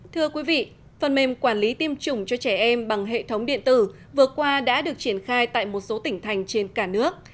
thưa quý vị phần mềm quản lý tiêm chủng cho trẻ em bằng hệ thống điện tử vừa qua đã được triển khai tại một số tỉnh thành trên cả nước